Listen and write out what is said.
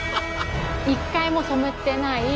一回も染めてない